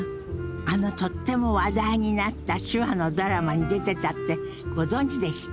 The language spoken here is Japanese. あのとっても話題になった手話のドラマに出てたってご存じでした？